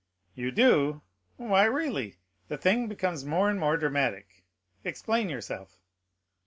"You do? Why, really, the thing becomes more and more dramatic—explain yourself."